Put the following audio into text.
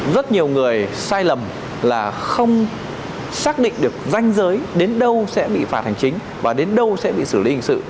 rất nhiều người sai lầm là không xác định được danh giới đến đâu sẽ bị phạt hành chính và đến đâu sẽ bị xử lý hình sự